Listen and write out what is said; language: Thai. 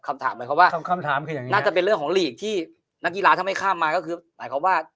คำถามคืออย่างนี้น่าจะเป็นเรื่องของลีกที่นักกีฬาทำให้ข้ามมา